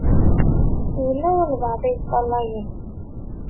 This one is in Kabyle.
Yella walebɛaḍ i yeṭṭalayen.